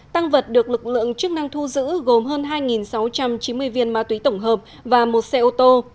tăng vật được lực lượng chức năng thu giữ gồm hơn hai sáu trăm chín mươi viên ma túy tổng hợp và một xe ô tô